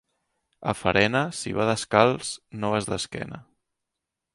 A Farena, si va descalç, no vas d'esquena.